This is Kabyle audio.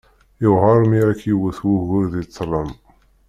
Yewεer mi ara k-yewwet wugur di ṭṭlam.